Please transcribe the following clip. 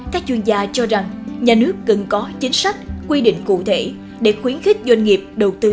chúng ta cho rằng nhà nước cần có chính sách quy định cụ thể để khuyến khích doanh nghiệp đầu tư